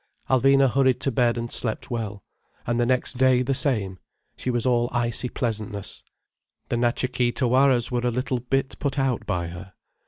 Alvina hurried to bed and slept well. And the next day the same, she was all icy pleasantness. The Natcha Kee Tawaras were a little bit put out by her.